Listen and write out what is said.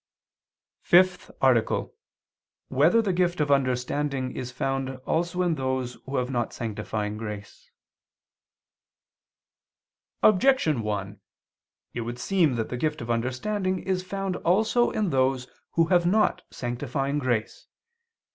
_______________________ FIFTH ARTICLE [II II, Q. 8, Art. 5] Whether the Gift of Understanding Is Found Also in Those Who Have Not Sanctifying Grace? Objection 1: It would seem that the gift of understanding is found also in those who have not sanctifying grace.